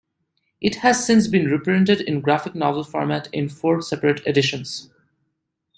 It has since been reprinted in graphic novel format in four separate editions.